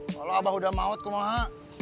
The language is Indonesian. kalau abah udah maut kumoha